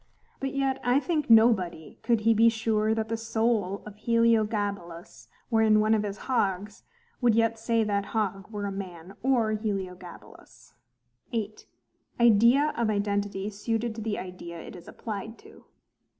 But yet I think nobody, could he be sure that the SOUL of Heliogabalus were in one of his hogs, would yet say that hog were a MAN or Heliogabalus. 8. Idea of Identity suited to the Idea it is applied to.